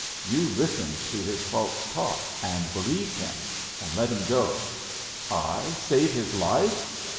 you listened to his false talk, and believed him, and let him go. I save his life?